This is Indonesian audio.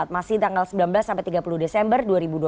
masih tanggal sembilan belas sampai tiga puluh desember dua ribu dua puluh